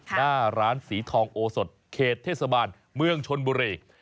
หน้าร้านสีทองโอสดเขตเทศบาลเมืองชนบุรี